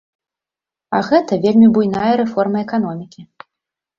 А гэта вельмі буйная рэформа эканомікі.